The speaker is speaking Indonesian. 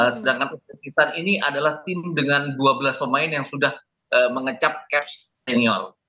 sedangkan uzbekistan ini adalah tim dengan dua belas pemain yang sudah mengecap caps senior